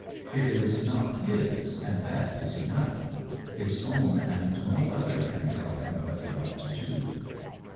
"It is not his, and that is enough. His own and no other can tell him what he ought to do."